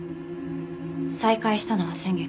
再会したのは先月。